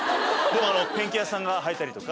ペンキ屋さんがはいたりとか。